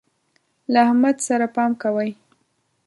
له احمد سره پام کوئ.